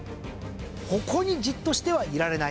ここにじっとしてはいられない。